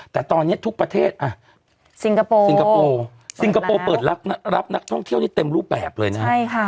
แต่ตอนนี้ทุกประเทศอ่ะสิงคโปร์สิงคโปร์ซิงคโปร์เปิดรับนักท่องเที่ยวนี่เต็มรูปแบบเลยนะฮะ